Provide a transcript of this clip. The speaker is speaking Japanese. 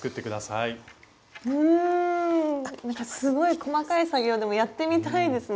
うんなんかすごい細かい作業でもやってみたいですね。